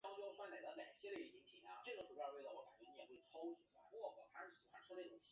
栅格数据由存放唯一值存储单元的行和列组成。